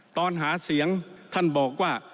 ตอนหาเสียงท่านบอกว่า